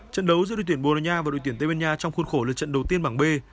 trận đấu giữa đội tuyển bồ đào nha và đội tuyển tây ban nha trong khuôn khổ lượt trận đầu tiên bảng b